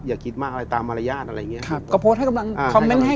อย่าคิดมากอะไรตามมารยาทอะไรอย่างนี้